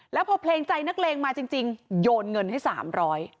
แล้วพอเพลงใจนักเลงมาจริงโยนเงินให้สามร้อย